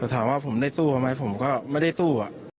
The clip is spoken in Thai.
แต่ถามว่าผมได้สู้มาไหมผมก็ไม่ได้สู้